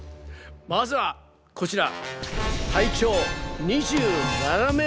まずはこちら。